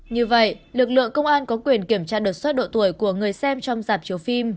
như vậy lực lượng công an có quyền kiểm tra đột xuất độ tuổi của người xem trong giảm chiếu phim